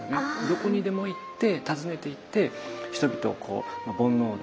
どこにでも行って訪ねていって人々をこう煩悩をですね